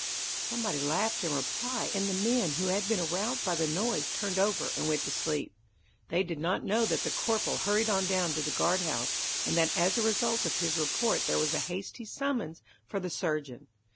Somebody laughed in reply, and the men who had been aroused by the noise turned over and went to sleep. They did not know that the corporal hurried on down to the guard house, and that as a result of his report there was a hasty summons for the surgeon.